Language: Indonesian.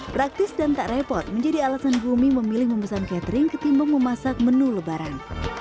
praktis dan tak repot menjadi alasan bumi memilih memesan catering ketimbang memasak menu lebaran